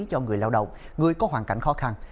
cho người lao động người có hoàn cảnh khó khăn